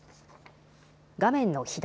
画面の左。